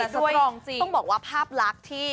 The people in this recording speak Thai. ด้วยต้องบอกว่าภาพลักษณ์ที่